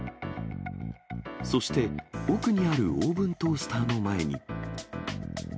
そして、奥にあるオーブントースターの前に。